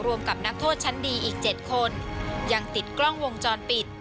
กับนักโทษชั้นดีอีก๗คนยังติดกล้องวงจรปิด